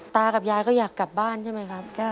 ตากับยายก็อยากกลับบ้านใช่ไหมครับ